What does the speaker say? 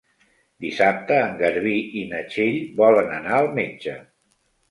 Dissabte en Garbí i na Txell volen anar al metge.